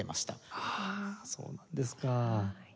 ああそうなんですか。